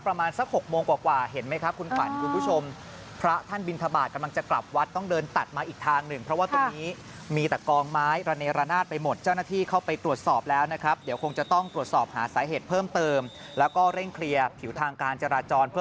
เพราะว่าจะติดไฟแดงแต่มีไฟเดียวครับ